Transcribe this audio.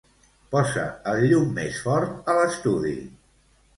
Posa el llum més fort a l'estudi.